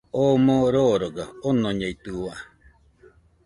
Oo moo roroga, onoñeitɨua